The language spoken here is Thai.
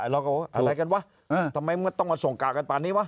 เราก็อะไรกันวะทำไมต้องมาส่งกะกันป่านนี้วะ